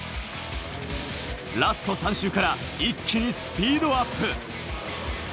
ラスト３周から一気にスピードアップ。